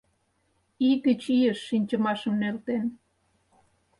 Ий гыч ийыш шинчымашым нӧлтен.